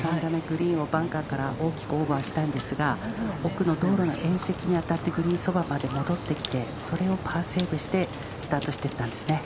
グリーンをバンカーから大きくオーバーしたんですが奥の道路の縁石に当たってグリーン側まで戻ってきてそれをパーセーブしてスタートしていったんです。